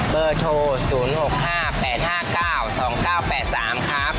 เบอร์โทร๐๖๕๘๕๙๒๙๘๓ครับ